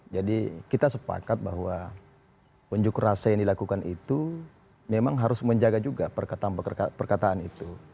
jadi kita sepakat bahwa unjuk rasa yang dilakukan itu memang harus menjaga juga perkataan perkataan itu